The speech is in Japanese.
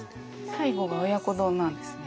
最後が「親子丼」なんですね。